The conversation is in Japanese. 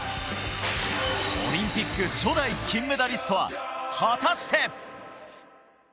オリンピック初代金メダリストは、果たして。